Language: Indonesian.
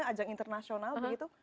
ajang internasional begitu